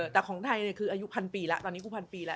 แต่ของไทยคืออายุพันปีละ